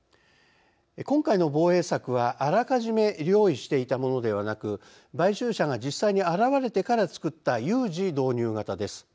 今回の防衛策はあらかじめ用意していたものではなく買収者が実際に現れてから作った有事導入型です。